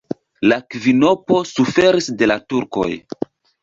La kvinopo suferis de la turkoj.